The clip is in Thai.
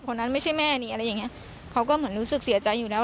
คนนั้นไม่ใช่แม่นี่อะไรอย่างเงี้ยเขาก็เหมือนรู้สึกเสียใจอยู่แล้ว